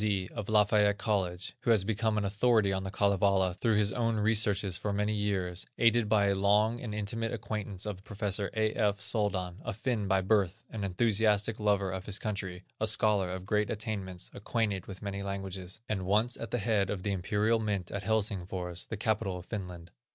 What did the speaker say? D., of Lafayette College, who has become an authority on the Kalevala through his own researches for many years, aided by a long and intimate acquaintance with Prof. A. F. Soldan, a Finn by birth, an enthusiastic lover of his country, a scholar of great attainments, acquainted with many languages, and once at the head of the Imperial Mint at Helsingfors, the capital of Finland.